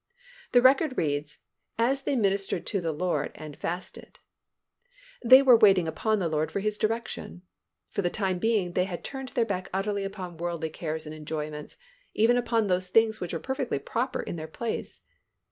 The record reads, "As they ministered to the Lord, and fasted." They were waiting upon the Lord for His direction. For the time being they had turned their back utterly upon worldly cares and enjoyments, even upon those things which were perfectly proper in their place.